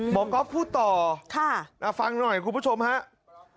หมอก๊อฟพูดต่อฟังหน่อยคุณผู้ชมฮะค่ะค่ะ